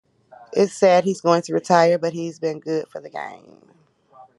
It's sad he's going to retire but he's been good for the game.